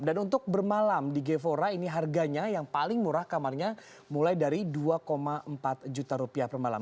dan untuk bermalam di the gevora ini harganya yang paling murah kamarnya mulai dari dua empat juta rupiah per malam